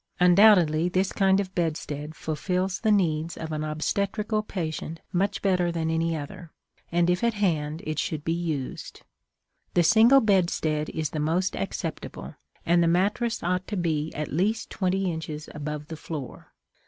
Undoubtedly, this kind of bedstead fulfills the needs of an obstetrical patient much better than any other; and, if at hand, it should be used. The single bedstead is the most acceptable, and the mattress ought to be at least twenty inches above the floor.